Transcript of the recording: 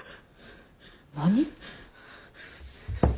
何？